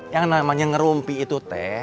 yang namanya ngerumpi itu teh